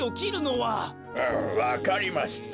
うむわかりました。